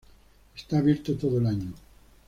Está abierto todo el año.